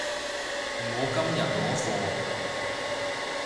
我今日攞貨